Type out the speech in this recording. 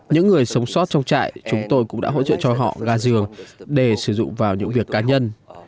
những người sống sót trong trại chúng tôi cũng đã hỗ trợ cho họ gà giường để sử dụng vào những việc cá nhân